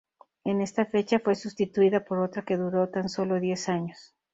En esa fecha fue sustituida por otra que duró tan solo diez años.